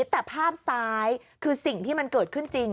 แต่ภาพซ้ายคือสิ่งที่มันเกิดขึ้นจริง